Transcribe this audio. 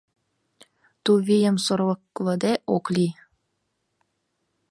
Ту вийым сорлыклыде ок лий.